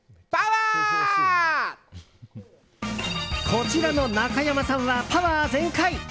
こちらのなかやまさんはパワー全開！